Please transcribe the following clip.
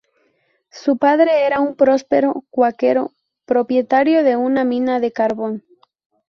Su padre era un próspero cuáquero propietario de una mina de carbón.